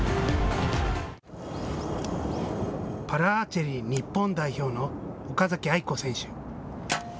パラアーチェリー日本代表の岡崎愛子選手。